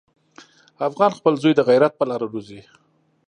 افغان خپل زوی د غیرت په لاره روزي.